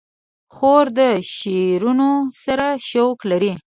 خور د شعرونو سره شوق لري.